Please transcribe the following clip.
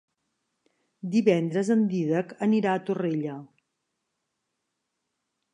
Divendres en Dídac anirà a Torrella.